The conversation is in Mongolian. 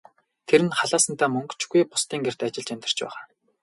Тэр нь халаасандаа мөнгө ч үгүй, бусдын гэрт ажиллаж амьдарч байгаа.